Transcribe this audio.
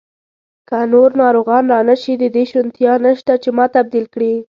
که نور ناروغان را نه شي، د دې شونتیا شته چې ما تبدیل کړي.